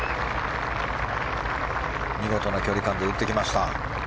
見事な距離感で打っていきました。